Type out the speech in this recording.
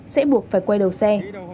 sẽ buộc phải quay đầu xe